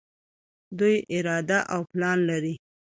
دوی اراده او پلان لري.